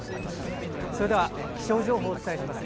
それでは、気象情報をお伝えします。